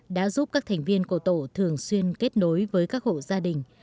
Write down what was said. đã giúp các thành viên của tổ thường xuyên kết nối với các hộ gia đình